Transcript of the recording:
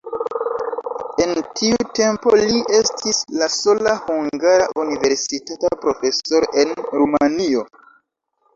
En tiu tempo li estis la sola hungara universitata profesoro en Rumanio.